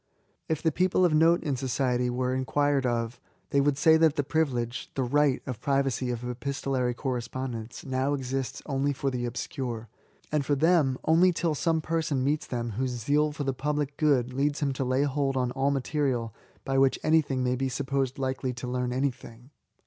If the people ,of note in society were inquired o^ they would say that the privilege— the right — of privacy of epistolary correspondence now exists only for the obscure; — and for them, only till some person meets them whose zeal for the public 92 £S8AY8« good leads him to lay hold on all material by which anybody may be supposed likely to learn anything.